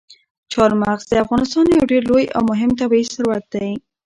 چار مغز د افغانستان یو ډېر لوی او مهم طبعي ثروت دی.